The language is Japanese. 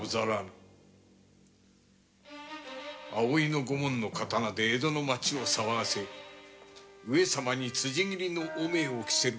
葵のご紋の刀で江戸の町を騒がせ上様に辻斬りの汚名を着せる。